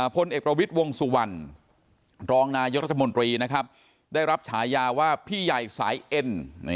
พลเอกประวิทย์วงสุวรรณรองนายกรัฐมนตรีนะครับได้รับฉายาว่าพี่ใหญ่สายเอ็น